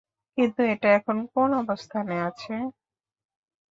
কিন্তু, এটা এখন কোন অবস্থানে আছে?